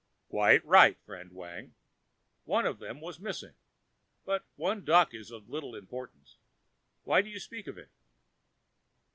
"Quite right, friend Wang, one of them was missing; but one duck is of little importance. Why do you speak of it?"